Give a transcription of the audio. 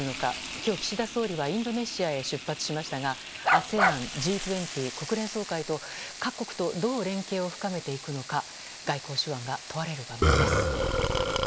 今日、岸田総理はインドネシアへ出発しましたがＡＳＥＡＮ、Ｇ２０国連総会と、各国とどう連携を深めていくのか外交手腕が問われる場面です。